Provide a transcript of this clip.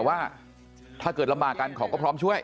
ว่าถ้าเกิดลำบากกันเขาก็พร้อมช่วย